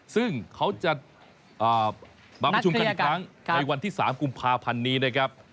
ซึ่งเขาจะมาประชุมกันอีกครั้งในวันที่๓กุมภาพันธ์นี้นะครับ